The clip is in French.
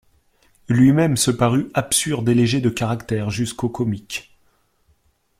Lui-même se parut absurde et léger de caractère, jusqu'au comique.